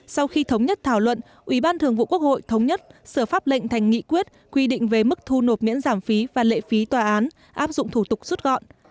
sau khi thống nhất thảo luận ủy ban thường vụ quốc hội thống nhất sửa pháp lệnh thành nghị quyết quy định về mức thu nộp miễn giảm phí và lệ phí tòa án áp dụng thủ tục rút gọn